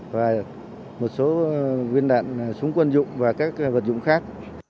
và một số viên đạn súng quân dụng và các vật dụng khác